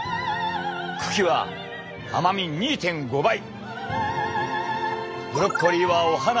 茎は甘み２．５倍！